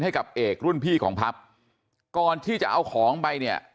ให้กับเอกรุ่นพี่ของพับก่อนที่จะเอาของไปเนี่ย